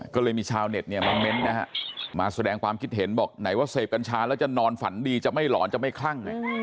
ก็เลยมีชาวเน็ตเนี่ยมาเม้นต์นะฮะมาแสดงความคิดเห็นบอกไหนว่าเสพกัญชาแล้วจะนอนฝันดีจะไม่หลอนจะไม่คลั่ง